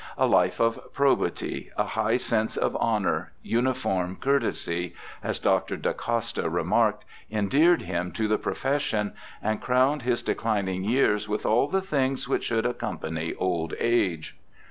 'A life of probity, a high sense of honour, uniform courtesy,' as Dr. Da Costa remarked, endeared R 2 244 BIOGRAPHICAL ESSAYS him to the profession, and crowned his declining years with all the things which should accompany old age.